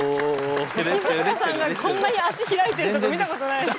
清塚さんがこんなに足開いてるとこ見たことないです。